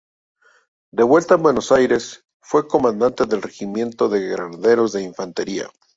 De vuelta en Buenos Aires, fue comandante del Regimiento de Granaderos de Infantería.